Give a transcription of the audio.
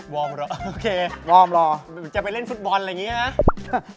วอร์มรอโอเคจะไปเล่นฟุตบอลอะไรอย่างนี้หรือเปล่านะ